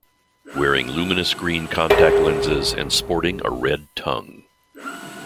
Wearing luminous green contact lenses, and sporting a red tongue.